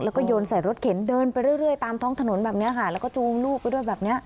แล้วก็โยนใส่รถเข็นเดินไปเรื่อยตามท้องถนนแบบนี้ค่ะแล้วก็จูงลูกไปด้วยแบบนี้